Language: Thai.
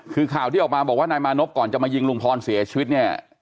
คือข่าวที่ออกมาบอกว่านายมานพก่อนจะมายิงลุงพรเสียชีวิตเนี่ย